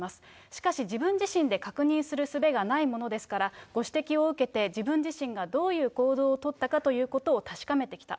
しかし、自分自身で確認するすべがないものですから、ご指摘を受けて自分自身がどういう行動を取ったかということを確かめてきた。